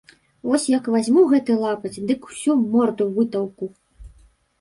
Вось як вазьму гэты лапаць, дык усю морду вытаўку.